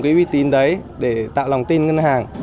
cái uy tín đấy để tạo lòng tin ngân hàng